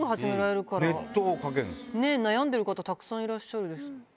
悩んでる方たくさんいらっしゃるでしょうし。